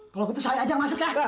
kalau gitu saya aja yang masuk ya